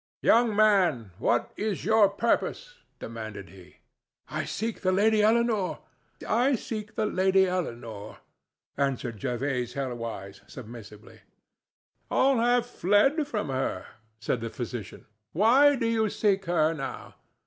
"Young man, what is your purpose?" demanded he. "I seek the Lady Eleanore," answered Jervase Helwyse, submissively. "All have fled from her," said the physician. "Why do you seek her now?